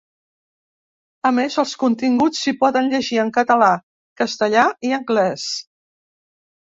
A més, els continguts s’hi poden llegir en català, castellà i anglès.